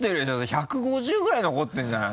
１５０ぐらい残ってるんじゃない？